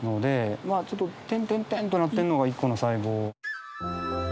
ちょっと点々々となってるのが１個の細胞。